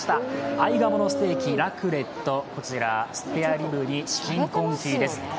合鴨のステーキ、ラクレットスペアリブにチキンコンフィです。